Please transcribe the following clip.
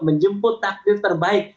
menjemput takdir terbaik